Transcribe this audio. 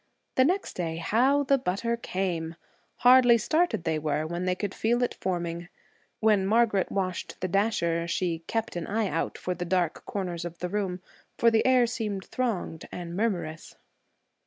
The next day, how the butter 'came'! Hardly started they were, when they could feel it forming. When Margaret washed the dasher, she 'kept an eye out' for the dark corners of the room, for the air seemed thronged and murmurous.